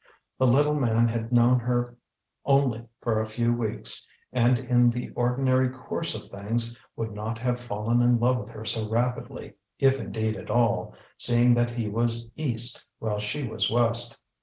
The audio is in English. The little man had known her only for a few weeks, and in the ordinary course of things would not have fallen in love with her so rapidly, if indeed at all, seeing that he was East, while she was West.